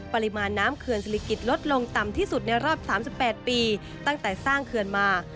ปริมาณน้ำเขื่อนศิลิกิจลดลงต่ำที่สุดในรอบ๓๘ปีตั้งแต่สร้างเขื่อนมา